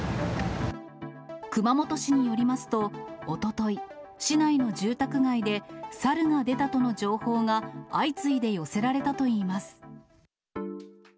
熊本市によりますと、おととい、市内の住宅街で、サルが出たとの情報が相次いで寄せられたといいます。